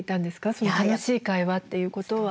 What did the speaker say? その楽しい会話っていうことは。